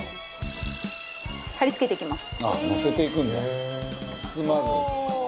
貼り付けていきます。